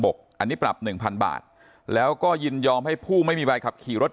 อันนี้ปรับ๑๐๐บาทแล้วก็ยินยอมให้ผู้ไม่มีใบขับขี่รถ